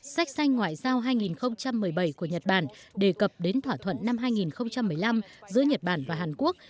sách xanh ngoại giao hai nghìn một mươi bảy của nhật bản đề cập đến thỏa thuận năm hai nghìn một mươi năm giữa nhật bản và hàn quốc